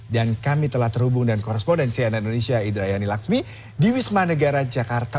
dan kami telah terhubung dengan korespondensi anak indonesia idrayani laksmi di wisma negara jakarta